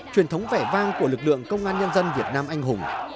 truyền thống vẻ vang của lực lượng công an nhân dân việt nam anh hùng